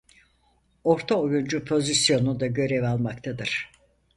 Orta oyuncu pozisyonunda görev almaktadır.